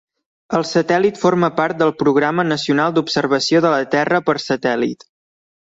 El satèl·lit forma part del Programa Nacional d'Observació de la Terra per Satèl·lit.